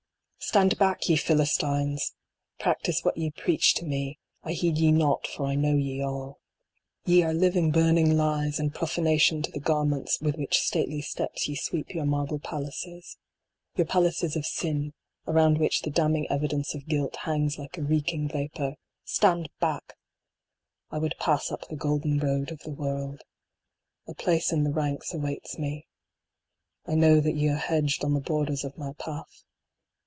II. Stand back, ye Philistines ! Practice what ye preach to me ; I heed ye not, for I know ye all. Ye are living burning lies, and profanation to the gar ments which with stately steps ye sweep your marble palaces. Your palaces of Sin, around which the damning evi dence of guilt hangs like a reeking vapor. Stand back I would pass up the golden road of the world. A place in the ranks awaits me. I know that ye are hedged on the borders of my path.